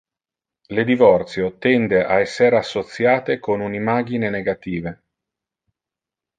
Le divorcio tende a esser associate con un imagine negative.